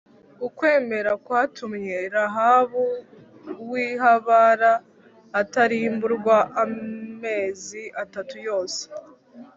ukwemera kwatumye rahabu w’ihabara atarimburwa amezi atatu yose.